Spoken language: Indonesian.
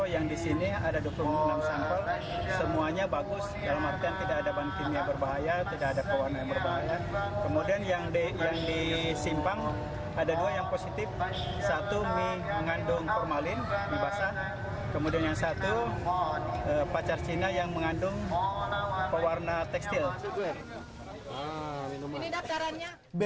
yang satu pacar cina yang mengandung pewarna tekstil